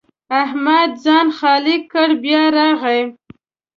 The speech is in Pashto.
احمد ځان خالي کړ؛ بیا راغی.